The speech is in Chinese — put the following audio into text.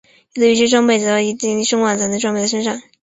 有的游戏装备需要达到一定的声望才能装备在身上。